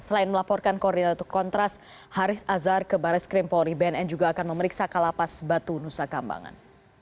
selain melaporkan koordinator kontras haris azhar ke baris krim polri bnn juga akan memeriksa kalapas batu nusa kambangan